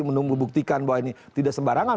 menunggu buktikan bahwa ini tidak sembarangan